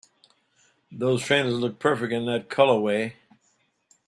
Those trainers look perfect in that colorway!